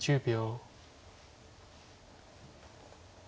１０秒。